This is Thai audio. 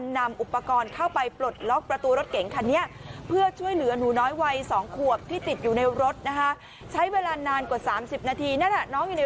น่าเหมาะก็